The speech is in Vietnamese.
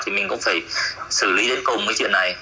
thì mình cũng phải xử lý đến cùng cái chuyện này